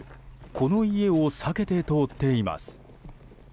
この家を避けて通っています。